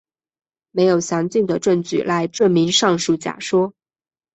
没有详尽的证据来证明上述假说。